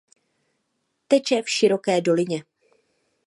Teče v široké dolině.